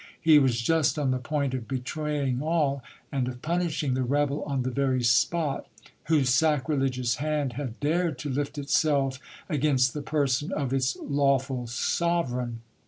He was just on the point of betraying all, and of pun ishing the rebel on the very spot, whose sacrilegious hand had dared to lift it se f against the person of its lawful sovereign.